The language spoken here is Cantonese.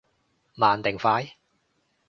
慢定快？